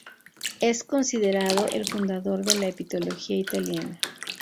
Es considerado el fundador de la egiptología italiana.